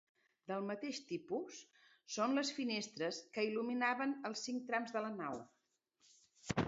Del mateix tipus són les finestres que il·luminaven els cinc trams de la nau.